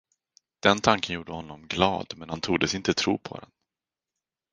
Den tanken gjorde honom glad, men han tordes inte tro på den.